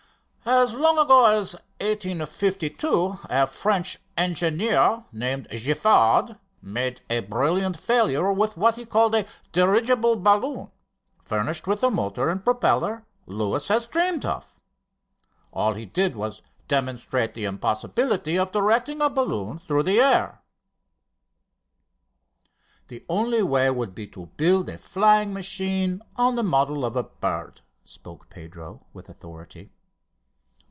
As long ago as 1852 a French engineer named Giffard made a brilliant failure with what he called a 'dirigible balloon,' furnished with the motor and propeller Luis has dreamed of. All he did was to demonstrate the impossibility of directing a balloon through the air." "The only way would be to build a flying machine on the model of the bird," spoke up Pedro with authority.